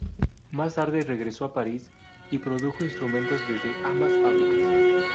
Más tarde regresó a París y produjo instrumentos desde ambas fábricas.